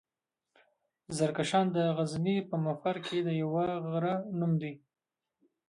زرکشان دغزني پهمفر کې د يوۀ غرۀ نوم دی.